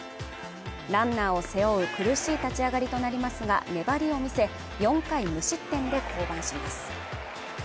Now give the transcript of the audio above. ランナーを背負う苦しい立ち上がりとなりますが粘りを見せ４回無失点で降板します